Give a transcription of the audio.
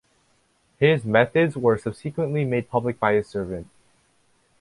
His methods were subsequently made public by his servant.